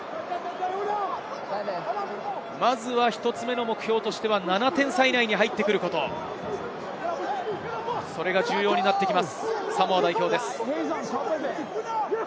まずは１つ目の目標としては７点差以内に入ってくること、それが重要になってきます、サモア代表です。